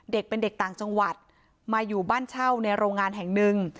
เด็กเป็นเด็กต่างจังหวัดมาอยู่บ้านเช่าในโรงงานแห่งหนึ่ง